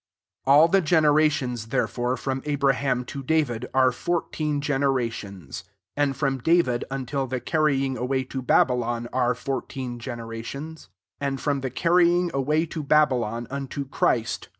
17 All the generationt there* fore from Abraham to David are fourteen generationM ; and from David until the carrying away to Babylon tire four teen generations: and from the carrying away to Babylon unto Christ 9.